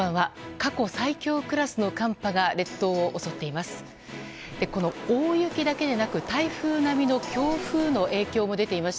過去最強クラスの寒波が列島を襲っています。